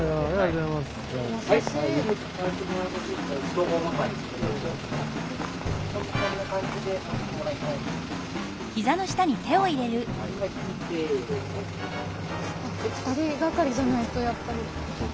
２人がかりじゃないとやっぱり重たいよね。